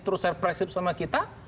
terus serpresif sama kita